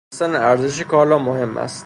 دانستن ارزش کالا مهم است.